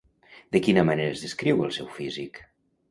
De quina manera es descriu el seu físic?